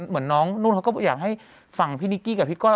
เหมือนน้องนุ่นเขาก็อยากให้ฝั่งพี่นิกกี้กับพี่ก้อย